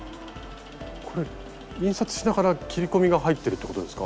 これ印刷しながら切り込みが入ってるってことですか？